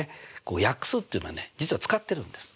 約数っていうのはね実は使ってるんです。